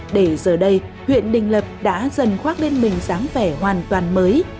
để giờ đây huyện đình lập đã dần khoác bên mình dáng vẻ hoàn toàn mới